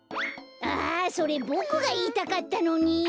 あそれボクがいいたかったのに！